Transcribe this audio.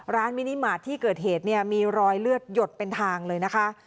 มินิมาตรที่เกิดเหตุเนี่ยมีรอยเลือดหยดเป็นทางเลยนะคะ